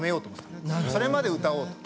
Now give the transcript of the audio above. それまで歌おうと。